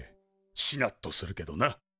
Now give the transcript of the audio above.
しなっとするけどな。